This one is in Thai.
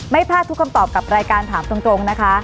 ไม่พลาดทุกคำตอบกับรายการถามตรงนะคะ